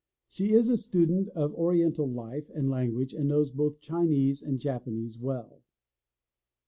She is a student of Oriental life and language and knows both Chinese and Japanese well.